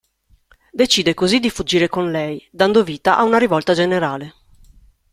Decide così di fuggire con lei, dando vita a una rivolta generale.